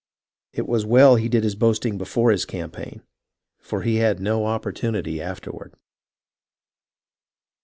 It was well he did his boasting before his campaign, for he had no opportunity afterward.